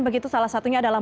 begitu salah satunya adalah